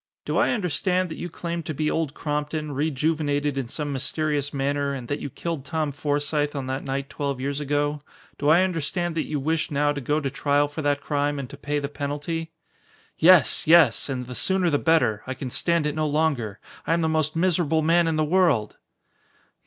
"Do I understand that you claim to be Old Crompton, rejuvenated in some mysterious manner, and that you killed Tom Forsythe on that night twelve years ago? Do I understand that you wish now to go to trial for that crime and to pay the penalty?" "Yes! Yes! And the sooner the better. I can stand it no longer. I am the most miserable man in the world!"